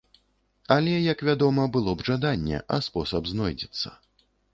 Але, як вядома, было б жаданне, а спосаб знойдзецца.